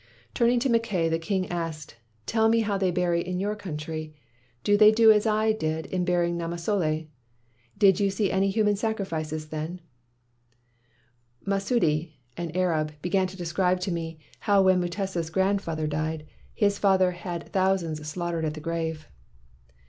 "Turning to Mackay, the king asked; 'Tell me how they bury in your country? Do they do as I did in burying Namasole? Did you see any human sacrifices then?' "Masudi (an Arab) began to describe to me how when Mutesa 's grandfather died, 190 MACKAY'S NEW NAME his father had thousands slaughtered at the grave.